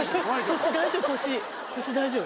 腰大丈夫？